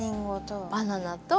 バナナと。